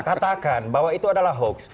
katakan bahwa itu adalah hoax